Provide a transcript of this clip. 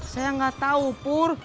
saya gak tau pur